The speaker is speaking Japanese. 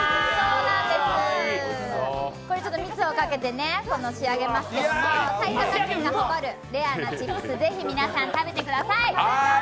これちょっと蜜をかけて仕上げますけど埼玉県が誇るレアなチップス、ぜひ皆さん食べてください。